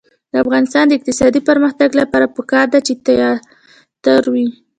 د افغانستان د اقتصادي پرمختګ لپاره پکار ده چې تیاتر وي.